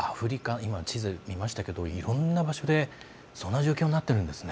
今、地図見ましたけどいろんな場所でそんな状況になっているんですね。